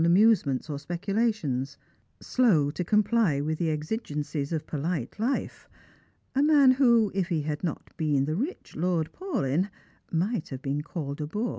amusements or speculations — slow to comply with the exigencies of poUte life ; a man who, if he had not been the rich Lord Paulyn, might have been called a boor.